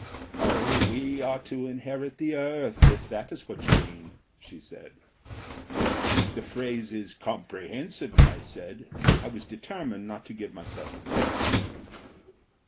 "Oh, we are to inherit the earth, if that is what you mean," she said. "The phrase is comprehensive," I said. I was determined not to give myself away.